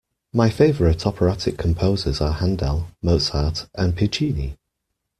My favourite operatic composers are Handel, Mozart and Puccini